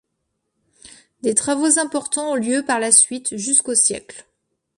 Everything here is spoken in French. Des travaux importants ont lieu par la suite, jusqu'au siècle.